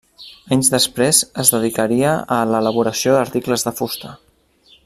Anys després es dedicaria a l'elaboració d'articles de fusta.